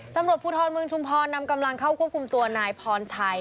ตำรวจภูทรเมืองชุมพรนำกำลังเข้าควบคุมตัวนายพรชัย